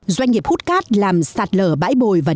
doanh nghiệp hút cát làm sạt lở bãi bồi và đê kè